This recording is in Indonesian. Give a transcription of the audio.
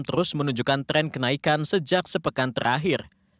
terus menunjukkan tren kenaikan sejak sepekan terakhir